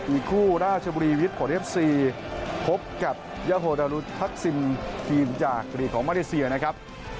อีกคู่ราชบุรีวิทย์ของเอฟซีพบกับยาโฮดารุทักซิมทีมจากลีกของมาเลเซียนะครับ